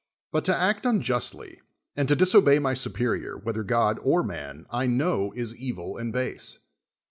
But to act unjustly, and to disobey my superior, whether God or man, I know is evil and base.